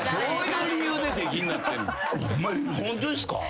ホントですか？